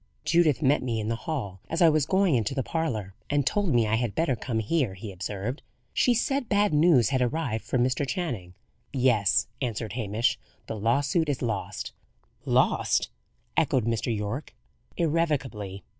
"Judith met me in the hall as I was going into the parlour, and told me I had better come here," he observed. "She said bad news had arrived for Mr. Channing." "Yes," answered Hamish. "The lawsuit is lost." "Lost!" echoed Mr. Yorke. "Irrevocably.